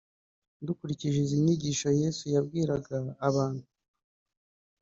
Dukurikije izi nyigisho Yesu yabwiraga abantu